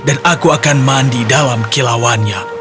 dan aku akan mandi dalam kilauannya